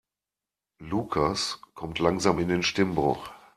Lukas kommt langsam in den Stimmbruch.